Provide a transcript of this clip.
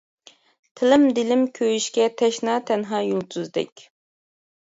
تىلىم، دىلىم كۆيۈشكە تەشنا تەنھا يۇلتۇزدەك.